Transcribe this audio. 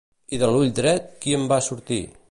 I de l'ull dret qui en va sortir?